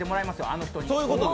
あの人に。